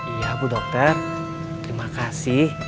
iya bu dokter terima kasih